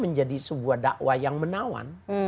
menjadi sebuah dakwah yang menawan